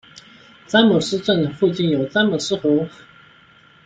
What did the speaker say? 詹姆斯镇附近有詹姆斯河。